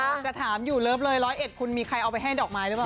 จะถามอยู่เลิฟเลย๑๐๑คุณมีใครเอาไปให้ดอกไม้หรือเปล่า